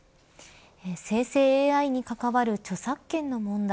生成ＡＩに関わる著作権の問題